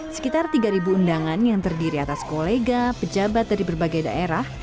sekitar tiga undangan yang terdiri atas kolega pejabat dari berbagai daerah